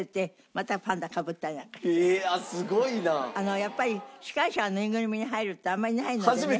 やっぱり司会者がぬいぐるみに入るってあんまりないのでね